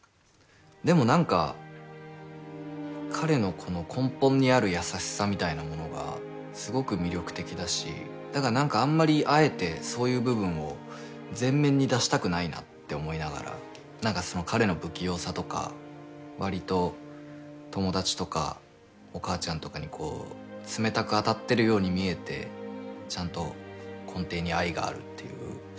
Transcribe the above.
でも何か彼のこの根本にある優しさみたいなものがすごく魅力的だしだからあんまりあえてそういう部分を前面に出したくないなって思いながら彼の不器用さとかわりと友達とかお母ちゃんとかに冷たく当たってるように見えてちゃんと根底に愛があるっていう。